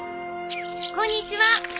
こんにちは。